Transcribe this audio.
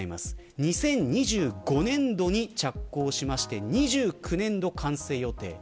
２０２５年度に着工しまして２０２９年度完成予定。